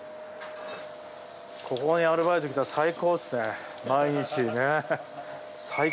ここにアルバイト来たら最高ですね毎日ね。